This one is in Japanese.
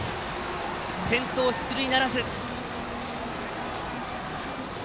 先頭出塁ならず。